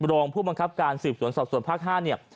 โรงผู้บังคับการสื่อส่วนสอบส่วนภาคห้าเนี่ย